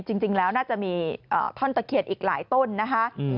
จริงแล้วน่าจะมีท่อนตะเคียนอีกหลายต้นนะคะ